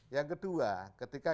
yang kedua ketika